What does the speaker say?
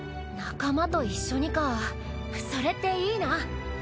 仲間と一緒にかそれっていいな。